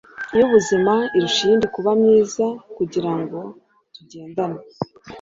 y’ubuzima irusha iyindi kuba myiza, kugira ngo tugendane